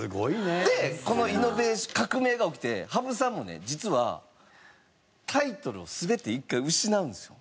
でこの革命が起きて羽生さんもね実はタイトルを全て一回失うんですよ。